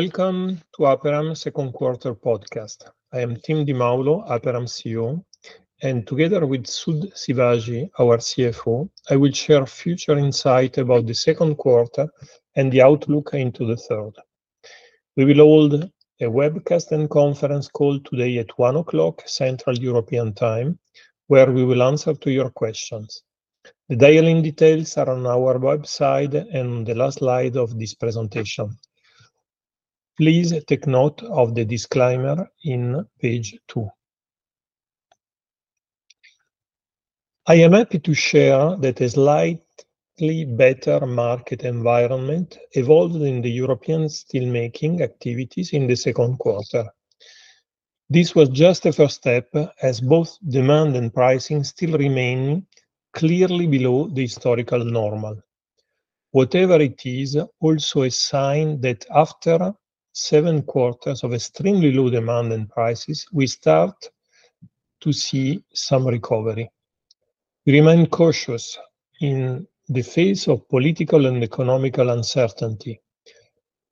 Welcome to Aperam’s second quarter podcast. I am Timoteo Di Maulo, Aperam CEO, and together with Sudhakar Sivaji, our CFO, I will share future insight about the second quarter and the outlook into the third. We will hold a webcast and conference call today at 1:00 P.M., Central European Time, where we will answer to your questions. The dial-in details are on our website and the last slide of this presentation. Please take note of the disclaimer in page 2. I am happy to share that a slightly better market environment evolved in the European steelmaking activities in the second quarter. This was just a first step, as both demand and pricing still remain clearly below the historical normal. Whatever it is, also a sign that after seven quarters of extremely low demand and prices, we start to see some recovery. We remain cautious in the face of political and economic uncertainty.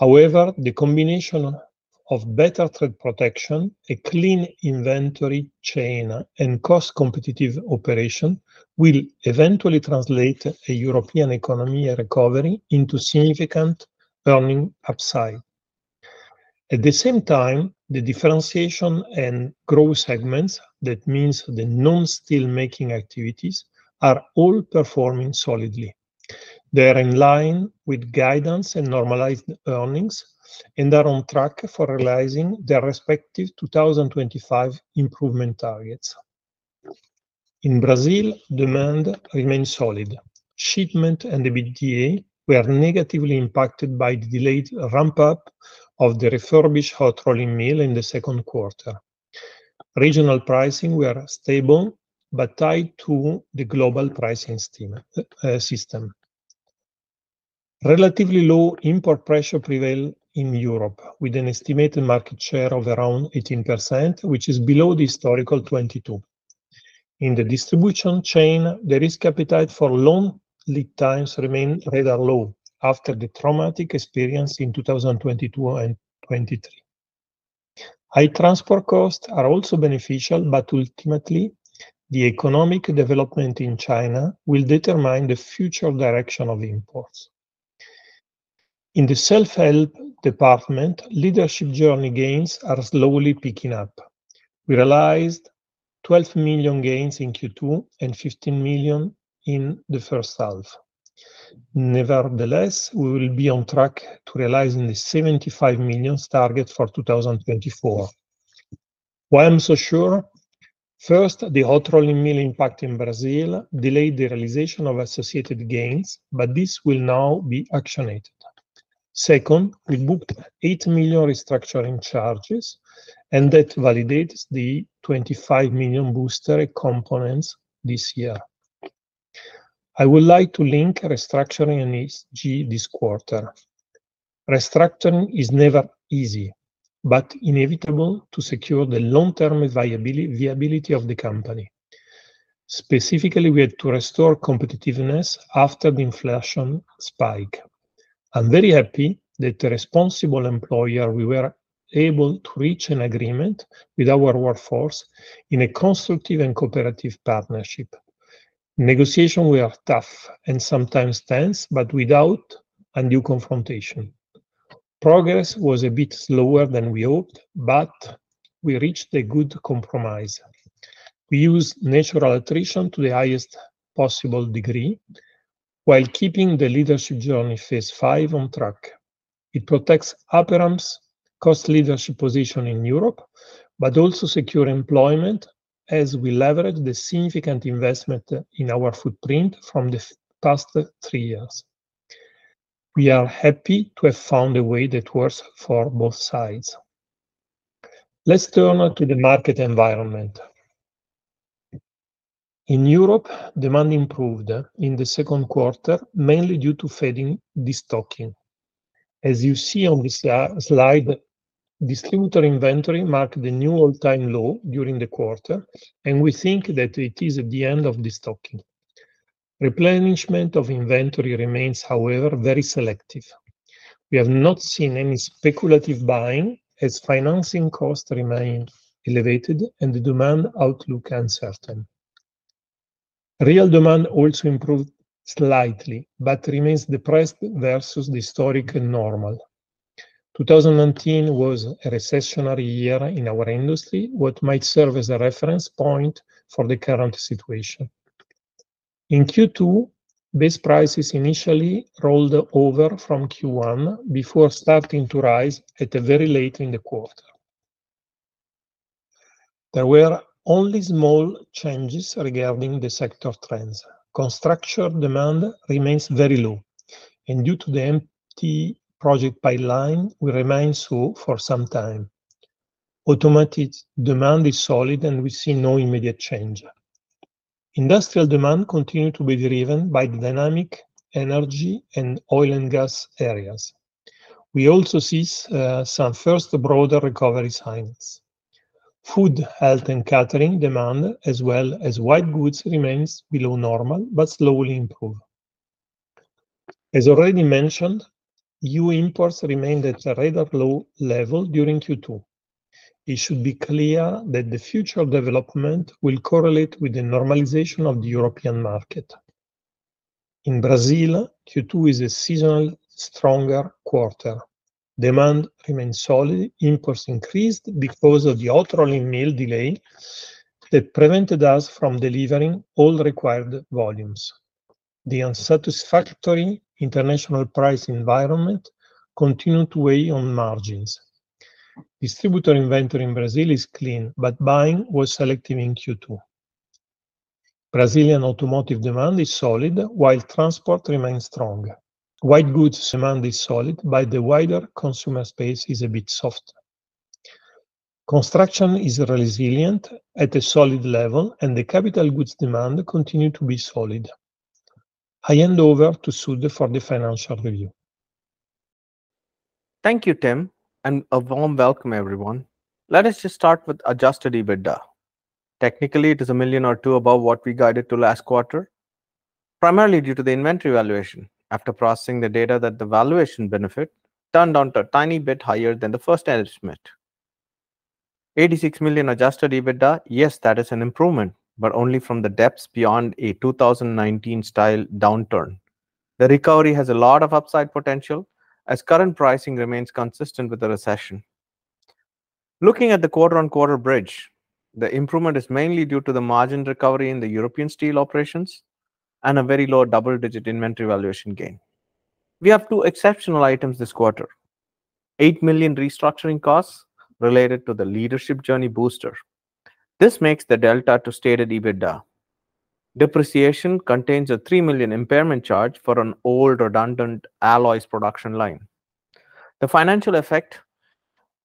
However, the combination of better trade protection, a clean inventory chain, and cost competitive operation, will eventually translate a European economic recovery into significant earnings upside. At the same time, the differentiation and growth segments, that means the non-steelmaking activities, are all performing solidly. They are in line with guidance and normalized earnings, and are on track for realizing their respective 2025 improvement targets. In Brazil, demand remains solid. Shipment and EBITDA were negatively impacted by the delayed ramp-up of the refurbished hot rolling mill in the second quarter. Regional pricing were stable, but tied to the global pricing stream, system. Relatively low import pressure prevail in Europe, with an estimated market share of around 18%, which is below the historical 22. In the distribution chain, there is appetite for long lead times remain rather low after the traumatic experience in 2022 and 2023. High transport costs are also beneficial, but ultimately, the economic development in China will determine the future direction of imports. In the self-help department, Leadership Journey gains are slowly picking up. We realized 12 million gains in Q2 and 15 million in the first half. Nevertheless, we will be on track to realizing the 75 million target for 2024. Why I'm so sure? First, the hot rolling mill impact in Brazil delayed the realization of associated gains, but this will now be actioned. Second, we booked 8 million restructuring charges, and that validates the 25 million Booster components this year. I would like to link restructuring and ESG this quarter. Restructuring is never easy, but inevitable to secure the long-term viability, viability of the company. Specifically, we had to restore competitiveness after the inflation spike. I'm very happy that the responsible employer, we were able to reach an agreement with our workforce in a constructive and cooperative partnership. Negotiations were tough and sometimes tense, but without a new confrontation. Progress was a bit slower than we hoped, but we reached a good compromise. We use natural attrition to the highest possible degree while keeping the Leadership Journey Phase 5 on track. It protects Aperam's cost leadership position in Europe, but also secure employment as we leverage the significant investment in our footprint from the past three years. We are happy to have found a way that works for both sides. Let's turn to the market environment. In Europe, demand improved in the second quarter, mainly due to fading destocking. As you see on this slide, distributor inventory marked the new all-time low during the quarter, and we think that it is at the end of destocking. Replenishment of inventory remains, however, very selective. We have not seen any speculative buying, as financing costs remain elevated and the demand outlook uncertain. Real demand also improved slightly, but remains depressed versus the historic normal. 2019 was a recessionary year in our industry, what might serve as a reference point for the current situation. In Q2, base prices initially rolled over from Q1 before starting to rise at the very late in the quarter. There were only small changes regarding the sector trends. Construction demand remains very low, and due to the empty project pipeline, will remain so for some time. Automotive demand is solid, and we see no immediate change. Industrial demand continue to be driven by the dynamic energy and oil and gas areas. We also see some first broader recovery signs. Food, health, and catering demand, as well as white goods, remains below normal, but slowly improve. As already mentioned, EU imports remained at a rather low level during Q2. It should be clear that the future development will correlate with the normalization of the European market. In Brazil, Q2 is a seasonal stronger quarter. Demand remains solid. Imports increased because of the hot rolling mill delay that prevented us from delivering all required volumes. The unsatisfactory international price environment continued to weigh on margins. Distributor inventory in Brazil is clean, but buying was selective in Q2. Brazilian automotive demand is solid, while transport remains strong. White goods demand is solid, but the wider consumer space is a bit soft. Construction is resilient at a solid level, and the capital goods demand continue to be solid. I hand over to Sud for the financial review. Thank you, Tim, and a warm welcome, everyone. Let us just start with Adjusted EBITDA. Technically, it is 1 million or 2 million above what we guided to last quarter, primarily due to the inventory valuation after processing the data that the valuation benefit turned out a tiny bit higher than the first estimate. 86 million Adjusted EBITDA, yes, that is an improvement, but only from the depths beyond a 2019-style downturn. The recovery has a lot of upside potential, as current pricing remains consistent with the recession. Looking at the quarter-on-quarter bridge, the improvement is mainly due to the margin recovery in the European steel operations and a very low double-digit inventory valuation gain. We have two exceptional items this quarter: 8 million restructuring costs related to the Leadership Journey Booster. This makes the delta to stated EBITDA. Depreciation contains a 3 million impairment charge for an old redundant alloys production line. The financial effect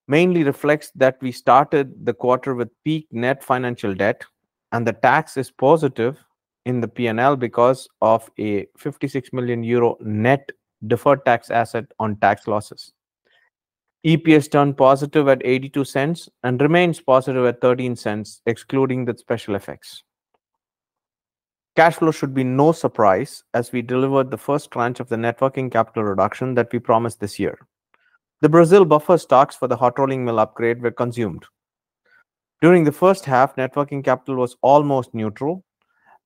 mainly reflects that we started the quarter with peak net financial debt, and the tax is positive in the PNL because of a 56 million euro net deferred tax asset on tax losses. EPS turned positive at 0.82 and remains positive at 0.13, excluding the special effects. Cash flow should be no surprise, as we delivered the first tranche of the net working capital reduction that we promised this year. The Brazil buffer stocks for the hot rolling mill upgrade were consumed. During the first half, net working capital was almost neutral,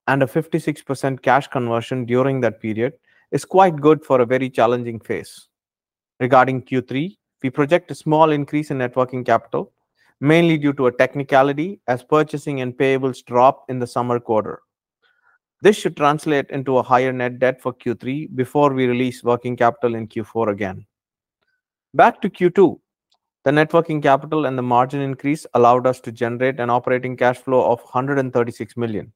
and a 56% cash conversion during that period is quite good for a very challenging phase. Regarding Q3, we project a small increase in net working capital, mainly due to a technicality as purchasing and payables drop in the summer quarter. This should translate into a higher net debt for Q3 before we release working capital in Q4 again. Back to Q2, the net working capital and the margin increase allowed us to generate an operating cash flow of 136 million.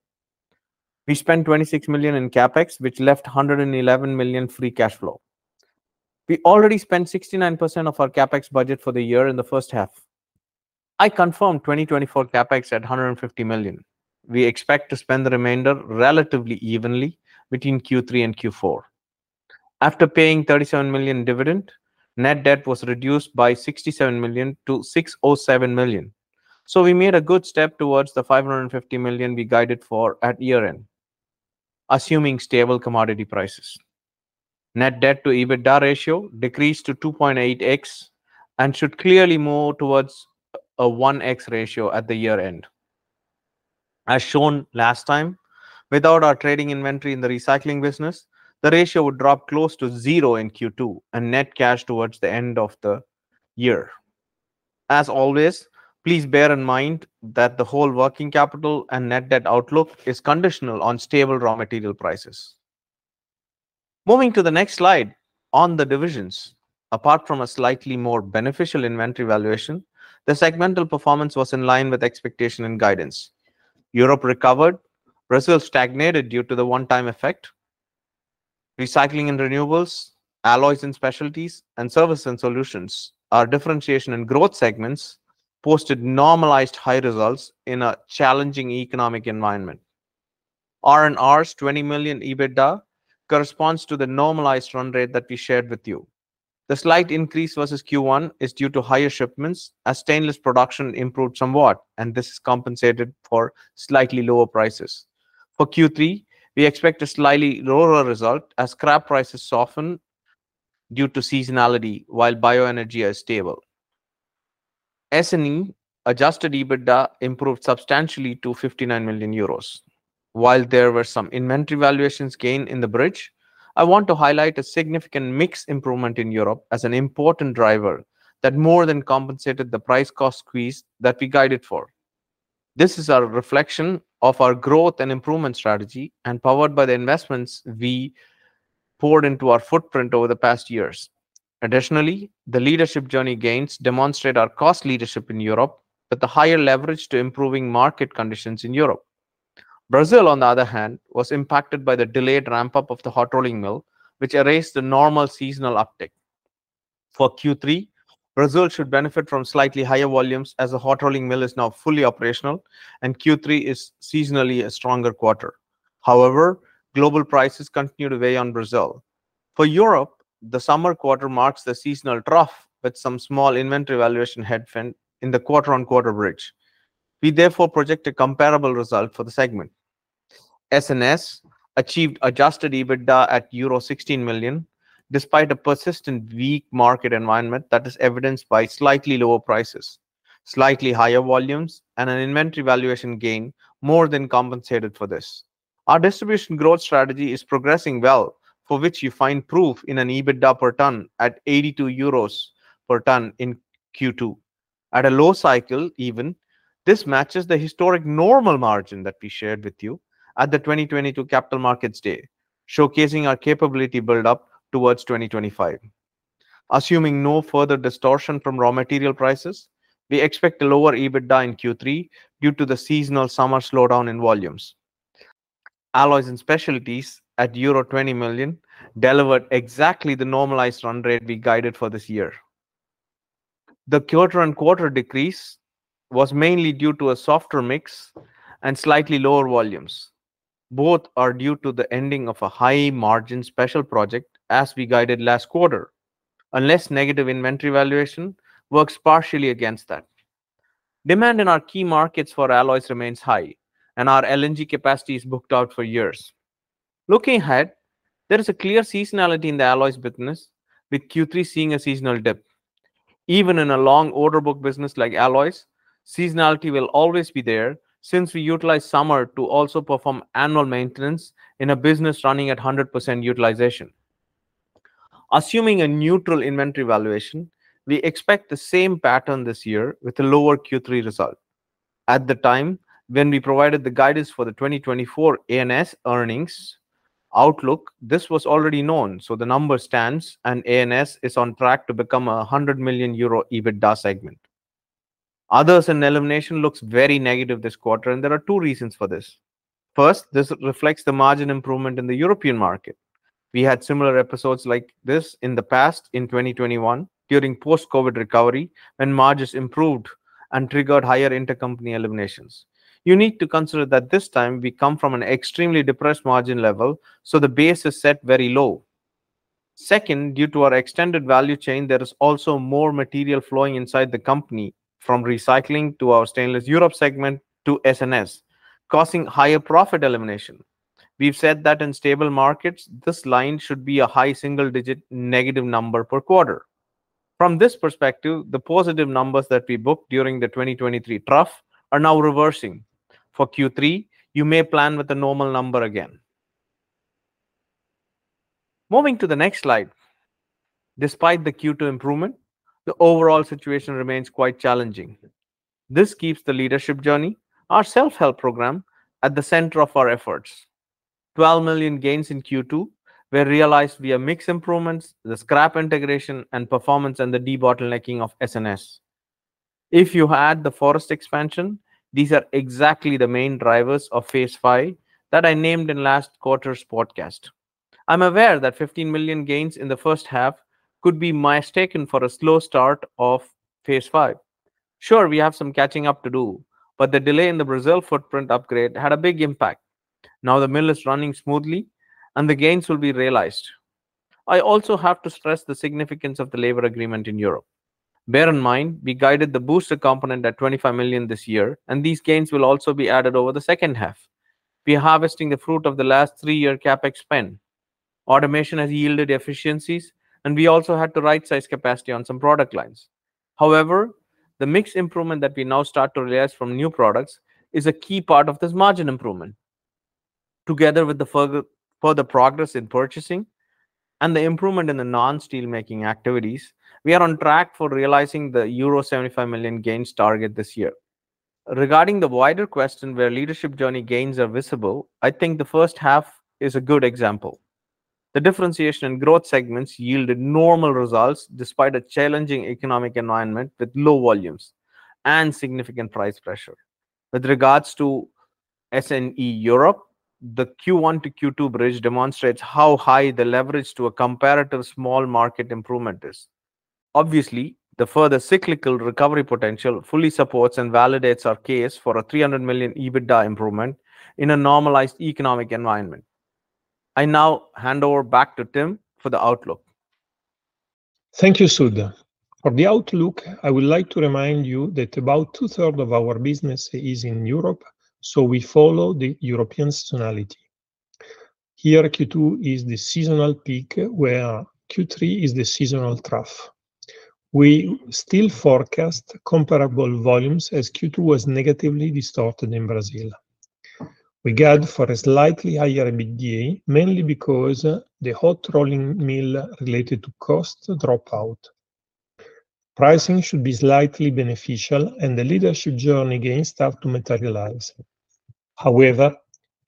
We spent 26 million in CapEx, which left 111 million free cash flow. We already spent 69% of our CapEx budget for the year in the first half. I confirm 2024 CapEx at 150 million. We expect to spend the remainder relatively evenly between Q3 and Q4. After paying 37 million dividend, net debt was reduced by 67 million to 607 million. So we made a good step towards the 550 million we guided for at year-end, assuming stable commodity prices. Net debt-to-EBITDA ratio decreased to 2.8x and should clearly move towards a 1x ratio at the year-end. As shown last time, without our trading inventory in the Recycling business, the ratio would drop close to 0 in Q2 and net cash towards the end of the year. As always, please bear in mind that the whole working capital and net debt outlook is conditional on stable raw material prices. Moving to the next slide on the divisions. Apart from a slightly more beneficial inventory valuation, the segmental performance was in line with expectation and guidance. Europe recovered, Brazil stagnated due to the one-time effect. Recycling & Renewables, Alloys & Specialties, and Services & Solutions, our differentiation and growth segments posted normalized high results in a challenging economic environment. R&R's 20 million EBITDA corresponds to the normalized run rate that we shared with you. The slight increase versus Q1 is due to higher shipments, as stainless production improved somewhat, and this is compensated for slightly lower prices. For Q3, we expect a slightly lower result as scrap prices soften due to seasonality, while bioenergy is stable. S&E Adjusted EBITDA improved substantially to 59 million euros. While there were some inventory valuations gain in the bridge, I want to highlight a significant mix improvement in Europe as an important driver that more than compensated the price cost squeeze that we guided for. This is a reflection of our growth and improvement strategy and powered by the investments we poured into our footprint over the past years. Additionally, the Leadership Journey gains demonstrate our cost leadership in Europe, but the higher leverage to improving market conditions in Europe. Brazil, on the other hand, was impacted by the delayed ramp-up of the hot rolling mill, which erased the normal seasonal uptick. For Q3, Brazil should benefit from slightly higher volumes as the hot rolling mill is now fully operational, and Q3 is seasonally a stronger quarter. However, global prices continue to weigh on Brazil. For Europe, the summer quarter marks the seasonal trough, but some small inventory valuation headwind in the quarter-on-quarter bridge. We therefore project a comparable result for the segment. S&S achieved Adjusted EBITDA at euro 16 million, despite a persistent weak market environment that is evidenced by slightly lower prices, slightly higher volumes, and an inventory valuation gain more than compensated for this. Our distribution growth strategy is progressing well, for which you find proof in an EBITDA per ton at 82 euros per ton in Q2. At a low cycle even, this matches the historic normal margin that we shared with you at the 2022 Capital Markets Day, showcasing our capability build-up towards 2025. Assuming no further distortion from raw material prices, we expect a lower EBITDA in Q3 due to the seasonal summer slowdown in volumes. Alloys & Specialties, at euro 20 million, delivered exactly the normalized run rate we guided for this year. The quarter-on-quarter decrease was mainly due to a softer mix and slightly lower volumes. Both are due to the ending of a high-margin special project, as we guided last quarter. A less negative inventory valuation works partially against that. Demand in our key markets for alloys remains high, and our LNG capacity is booked out for years. Looking ahead, there is a clear seasonality in the alloys business, with Q3 seeing a seasonal dip. Even in a long order book business like alloys, seasonality will always be there since we utilize summer to also perform annual maintenance in a business running at 100% utilization. Assuming a neutral inventory valuation, we expect the same pattern this year with a lower Q3 result. At the time when we provided the guidance for the 2024 A&S earnings outlook, this was already known, so the number stands, and A&S is on track to become a 100 million euro EBITDA segment. Others & Eliminations looks very negative this quarter, and there are two reasons for this. First, this reflects the margin improvement in the European market. We had similar episodes like this in the past, in 2021, during post-COVID recovery, when margins improved and triggered higher intercompany eliminations. You need to consider that this time we come from an extremely depressed margin level, so the base is set very low. Second, due to our extended value chain, there is also more material flowing inside the company, from Recycling to our Stainless Europe segment to S&S, causing higher profit elimination. We've said that in stable markets, this line should be a high single-digit negative number per quarter. From this perspective, the positive numbers that we booked during the 2023 trough are now reversing. For Q3, you may plan with a normal number again. Moving to the next slide. Despite the Q2 improvement, the overall situation remains quite challenging. This keeps the Leadership Journey, our self-help program, at the center of our efforts. 12 million gains in Q2 were realized via mix improvements, the scrap integration and performance, and the debottlenecking of S&S. If you add the forest expansion, these are exactly the main drivers of Phase 5 that I named in last quarter's podcast. I'm aware that 15 million gains in the first half could be mistaken for a slow start of Phase 5. Sure, we have some catching up to do, but the delay in the Brazil footprint upgrade had a big impact. Now, the mill is running smoothly, and the gains will be realized. I also have to stress the significance of the labor agreement in Europe. Bear in mind, we guided the Booster component at 25 million this year, and these gains will also be added over the second half. We are harvesting the fruit of the last three-year CapEx spend. Automation has yielded efficiencies, and we also had to rightsize capacity on some product lines. However, the mix improvement that we now start to realize from new products is a key part of this margin improvement. Together with the further progress in purchasing and the improvement in the non-steel making activities, we are on track for realizing the euro 75 million gains target this year. Regarding the wider question, where Leadership Journey gains are visible, I think the first half is a good example. The differentiation in growth segments yielded normal results, despite a challenging economic environment with low volumes and significant price pressure. With regards to S&E Europe, the Q1 to Q2 bridge demonstrates how high the leverage to a comparative small market improvement is. Obviously, the further cyclical recovery potential fully supports and validates our case for a 300 million EBITDA improvement in a normalized economic environment. I now hand over back to Tim for the outlook. Thank you, Sud. For the outlook, I would like to remind you that about two-thirds of our business is in Europe, so we follow the European seasonality. Here, Q2 is the seasonal peak, where Q3 is the seasonal trough. We still forecast comparable volumes, as Q2 was negatively distorted in Brazil. We guide for a slightly higher EBITDA, mainly because the hot rolling mill related costs drop out. Pricing should be slightly beneficial, and the Leadership Journey gains start to materialize. However,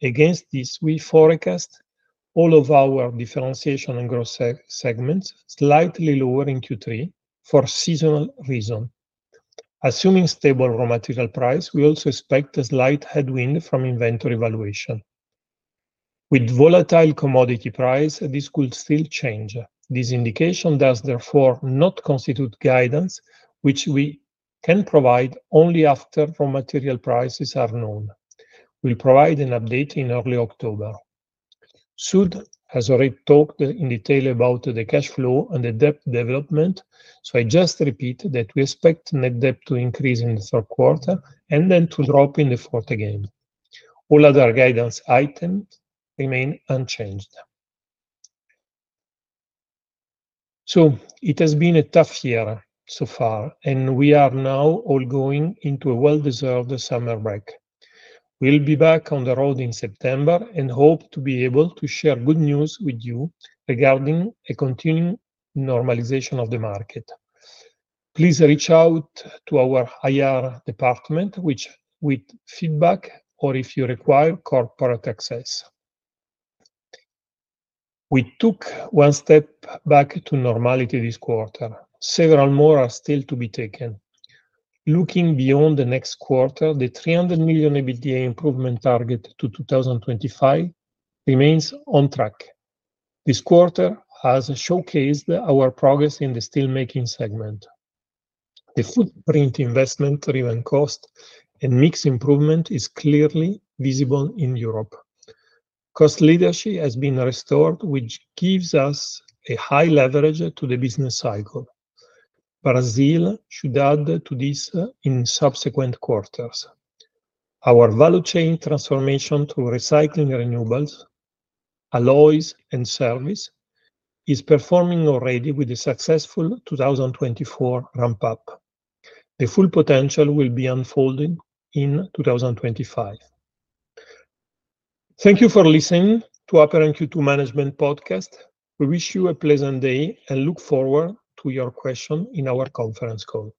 against this, we forecast all of our differentiation and growth segments slightly lower in Q3 for seasonal reasons. Assuming stable raw material prices, we also expect a slight headwind from inventory valuation. With volatile commodity prices, this could still change. This indication does, therefore, not constitute guidance, which we can provide only after raw material prices are known. We'll provide an update in early October. Sud has already talked in detail about the cash flow and the debt development, so I just repeat that we expect net debt to increase in the third quarter and then to drop in the fourth again. All other guidance items remain unchanged. So it has been a tough year so far, and we are now all going into a well-deserved summer break. We'll be back on the road in September and hope to be able to share good news with you regarding a continuing normalization of the market. Please reach out to our IR department with feedback or if you require corporate access. We took one step back to normality this quarter. Several more are still to be taken. Looking beyond the next quarter, the 300 million EBITDA improvement target to 2025 remains on track. This quarter has showcased our progress in the steel making segment. The footprint investment-driven cost, and mix improvement is clearly visible in Europe. Cost leadership has been restored, which gives us a high leverage to the business cycle. Brazil should add to this in subsequent quarters. Our value chain transformation to Recycling & Renewables, Alloys, and Service is performing already with a successful 2024 ramp up. The full potential will be unfolding in 2025. Thank you for listening to our current Q2 management podcast. We wish you a pleasant day, and look forward to your question in our conference call.